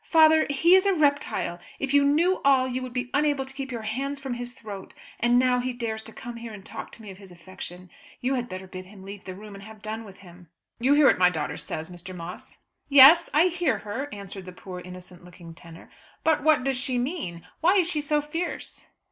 "Father, he is a reptile. If you knew all, you would be unable to keep your hands from his throat. And now he dares to come here and talk to me of his affection. You had better bid him leave the room and have done with him." "You hear what my daughter says, Mr. Moss." "Yes, I hear her," answered the poor innocent looking tenor. "But what does she mean? Why is she so fierce?"